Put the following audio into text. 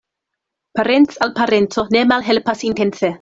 Parenc' al parenco ne malhelpas intence.